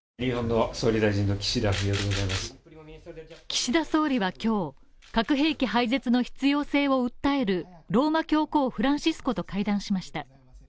岸田総理は今日、核兵器廃絶の必要性を訴えるローマ教皇フランシスコと会談しました。